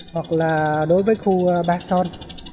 hoặc là đối với khu ba son